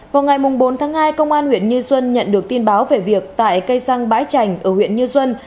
vào ngày bốn tháng hai công an huyện như xuân nhận được tin báo về việc tại cây xăng bãi trành ở huyện như xuân